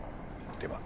では。